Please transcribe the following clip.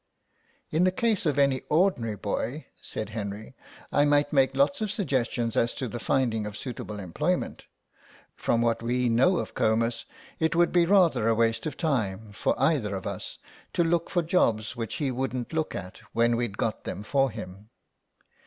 "In the case of any ordinary boy," said Henry, "I might make lots of suggestions as to the finding of suitable employment. From what we know of Comus it would be rather a waste of time for either of us to look for jobs which he wouldn't look at when we'd got them for him."